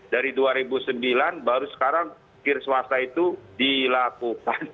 dari dua ribu sembilan baru sekarang kir swasta itu dilakukan